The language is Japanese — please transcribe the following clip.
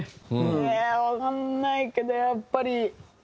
わかんないけどやっぱり。